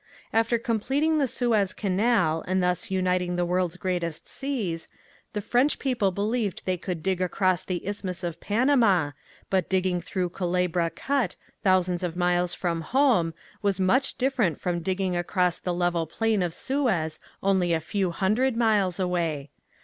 After completing the Suez Canal and thus uniting the world's greatest seas, the French people believed they could dig across the Isthmus of Panama, but digging through Culebra Cut thousands of miles from home was much different from digging across the level plain of Suez only a few hundred miles away.